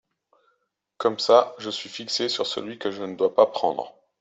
Comme ça je suis fixée sur celui que je ne dois pas prendre !